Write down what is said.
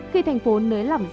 khi tp hcm nới lỏng dịch tễ